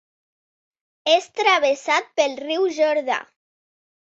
És travessat pel riu Jordà.